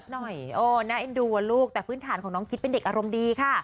อาจจะบ้วนคิดหน่อยน่าเอ็นดูลูกแต่พื้นฐานของน้องคิดเป็นเด็กอารมณ์ดีค่ะ